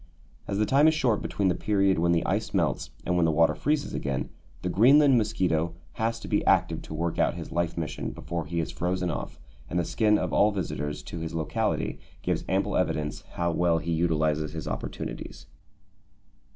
As the time is short between the period when the ice melts and when the water freezes again, the Greenland mosquito has to be active to work out his life mission before he is frozen off, and the skin of all visitors to his locality gives ample evidence how well he utilises his opportunities.